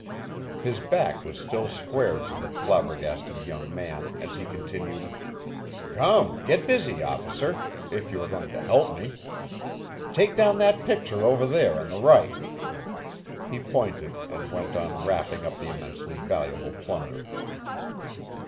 His back was still squared to the flabbergasted young man as he continued: "Come, get busy, Officer, if you are going to help me. Take down that picture over there on the right." He pointed, and went on wrapping up the immensely valuable plunder.